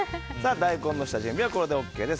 大根の下準備はこれでＯＫです。